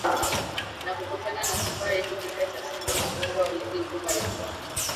na kukutana na kifaa hiki kipya cha Simba Mabingwa wa Ligi Kuu Bara kwa